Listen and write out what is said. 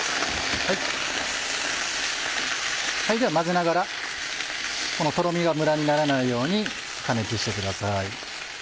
混ぜながらこのとろみがムラにならないように加熱してください。